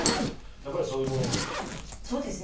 やっぱりそういうものですか？